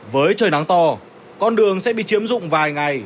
với trời nắng to con đường sẽ bị chiếm dụng vài ngày